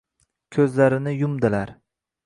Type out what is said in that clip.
Ko’zlarini yumdilar.